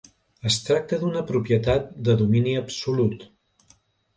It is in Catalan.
Es tracta d'una propietat de domini absolut.